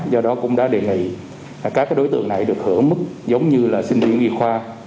do đó cũng đã đề nghị các đối tượng này được hưởng mức giống như là sinh viên y khoa